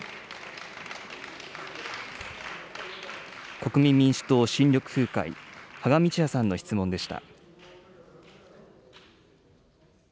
国民民主党・新緑風会、芳賀道也さんの質問でした。